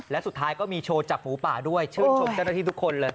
และสุดท้ายก็มีโชว์จากฝูป่าด้วยชื่นชมเจ้าหน้าที่ทุกคนเลย